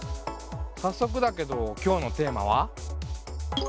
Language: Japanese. さっそくだけど今日のテーマは？